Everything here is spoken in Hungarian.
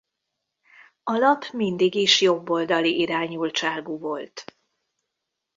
A lap mindig is jobboldali irányultságú volt.